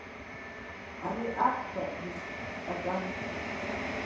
Ари аԥхьа дызқәыз аганахь диасит.